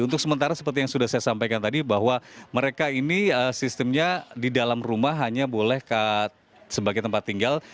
untuk sementara seperti yang sudah saya sampaikan tadi bahwa mereka ini sistemnya di dalam rumah hanya boleh sebagai tempat tinggal